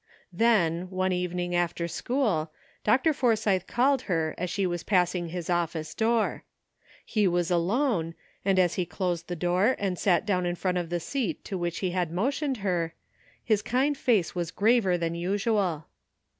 Then, one evening after school. Dr. Forsythe called her as she was passing his office door. He was alone, and as he closed the door and sat down in front of the seat to which he had motioned her, his kind face was graver than usual.